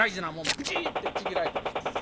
ブチってちぎられたりしまんねん。